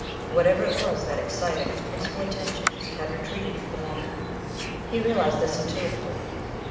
Whatever it was that excited its blissful attentions had retreated for the moment. He realized this intuitively.